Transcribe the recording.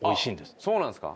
あっそうなんですか？